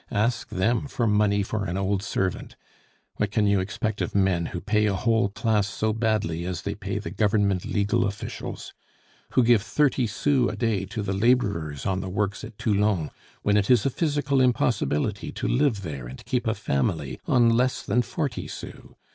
Ask them for money for an old servant! What can you expect of men who pay a whole class so badly as they pay the Government legal officials? who give thirty sous a day to the laborers on the works at Toulon, when it is a physical impossibility to live there and keep a family on less than forty sous?